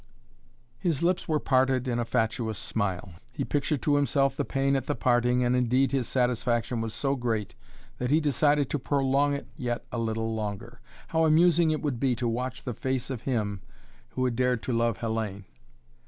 His lips were parted in a fatuous smile. He pictured to himself the pain at the parting and indeed his satisfaction was so great that he decided to prolong it yet a little longer. How amusing it would be to watch the face of him who had dared to love Hellayne.